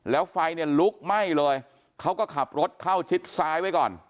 แล้วไฟเนี่ยลุกไหม้เลยเขาก็ขับรถเข้าชิดซ้ายไว้ก่อน